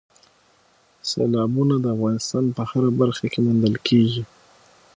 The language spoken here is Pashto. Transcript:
سیلابونه د افغانستان په هره برخه کې موندل کېږي.